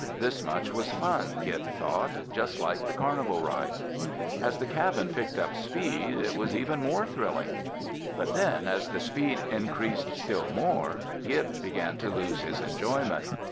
This much was fun, Gib thought, just like the carnival ride. As the cabin picked up speed, it was even more thrilling. But then as the speed increased still more, Gib began to lose his enjoyment.